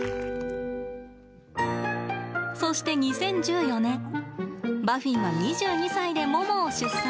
そして、２０１４年バフィンは２２歳でモモを出産。